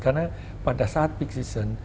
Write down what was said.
karena pada saat pikirnya